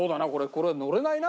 これ乗れないな」